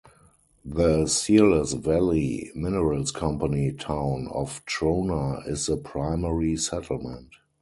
The Searles Valley Minerals company town of Trona is the primary settlement.